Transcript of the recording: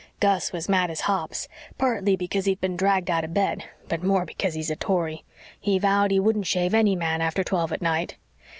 "Gus was mad as hops partly because he'd been dragged out of bed, but more because he's a Tory. He vowed he wouldn't shave any man after twelve at night.